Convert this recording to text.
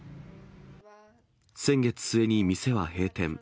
先月末に店は閉店。